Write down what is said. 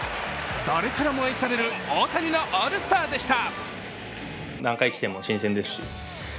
誰からも愛される大谷のオールスターでした。